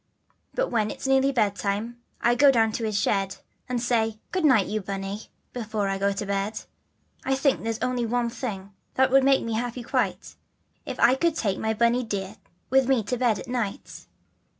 Then when it's nearly bedtime I go down to his shed, And say 'Good night you Bunny' before I go to bed. I think there's only one thing that would make me happy quite, If I could take my Bunny dear with me to bed at night?